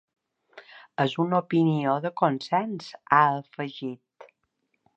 És una opinió de consens, ha afegit.